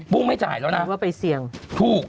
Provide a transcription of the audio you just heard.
บุ้งไม่จ่ายแล้วนะ